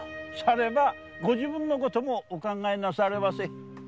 さればご自分のこともお考えなされませ。